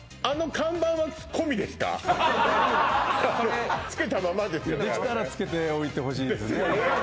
あれねできたらつけておいてほしいですね